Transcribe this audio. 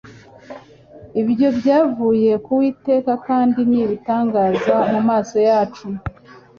Ibyo byavuye k’Uwiteka kandi ni ibitangaza mu maso yacu ?»